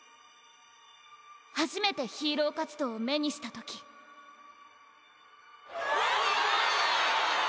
初めてヒーロー活動を目にした時・ワアアア！